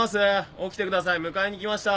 起きてください迎えに来ました。